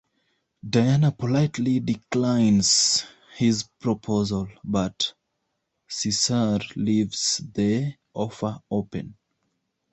Diana politely declines his proposal, but Cesare leaves the offer open.